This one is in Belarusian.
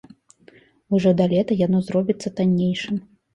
Ужо да лета яно зробіцца таннейшым.